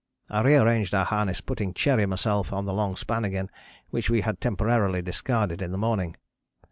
I rearranged our harness, putting Cherry and myself on the long span again, which we had temporarily discarded in the morning.